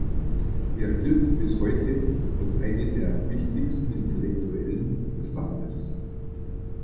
Er gilt bis heute als eine der wichtigsten Intellektuellen des Landes.